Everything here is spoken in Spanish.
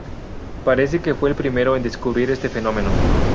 Parece que fue el primero en describir este fenómeno.